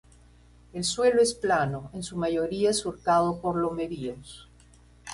El suelo es plano, en su mayoría surcado por lomeríos.